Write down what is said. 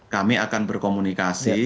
kami akan berkomunikasi